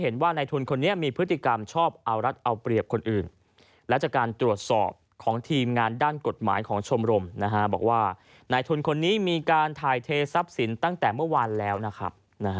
นายบอกว่านายทุนคนนี้มีการทายเททรัพย์สินตั้งแต่เมื่อวานแล้วนะครับ